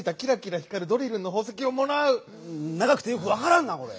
ながくてよくわからんなこれ！